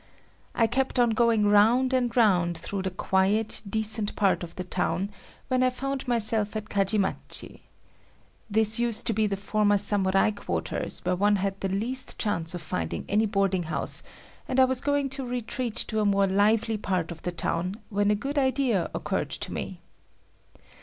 I kept on going round and round through the quiet, decent part of the town when I found myself at Kajimachi. This used to be former samurai quarters where one had the least chance of finding any boarding house, and I was going to retreat to a more lively part of the town when a good idea occurred to me.